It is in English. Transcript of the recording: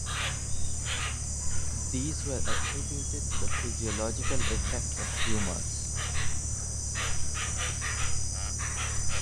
These were attributed to the physiological effects of humors.